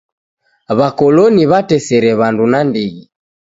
W'akoloni w'atesere w'andu nandighi.